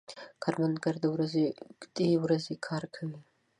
کروندګر د ورځې اوږدې ورځې کار کوي